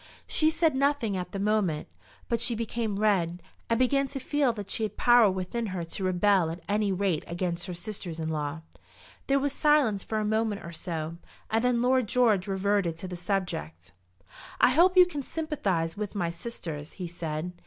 She said nothing at the moment; but she became red, and began to feel that she had power within her to rebel at any rate against her sisters in law. There was silence for a moment or so, and then Lord George reverted to the subject. "I hope you can sympathise with my sisters," he said.